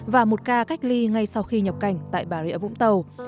và một ca cách ly ngay sau khi nhập cảnh tại bà rịa vũng tàu